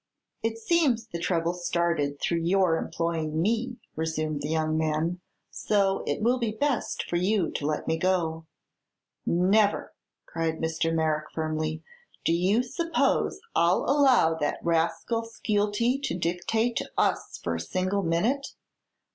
"It seems the trouble started through your employing me," resumed the young man; "so it will be best for you to let me go." "Never!" cried Mr. Merrick, firmly. "Do you suppose I'll allow that rascal Skeelty to dictate to us for a single minute?